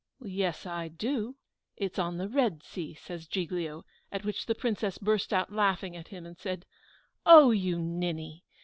"Yes, I do; it's on the Red Sea," says Giglio; at which the Princess burst out laughing at him, and said, "Oh, you ninny!